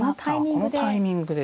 このタイミングで。